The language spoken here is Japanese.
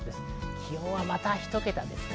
気温は１桁です。